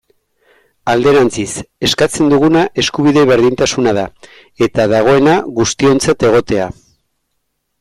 Alderantziz, eskatzen duguna eskubide berdintasuna da, eta dagoena, guztiontzat egotea.